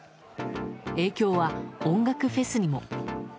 影響は、音楽フェスにも。